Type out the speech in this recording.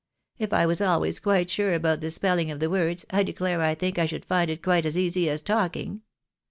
If I was always quite sure about the spelling of the words, I declare I think I should find it quite as easy as talking.